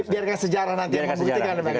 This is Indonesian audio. biarkan sejarah nanti yang membuktikan